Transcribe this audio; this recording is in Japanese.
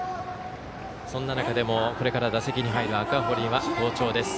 そんな中でも、これから打席に入る赤堀は好調です。